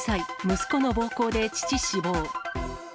息子の暴行で父死亡。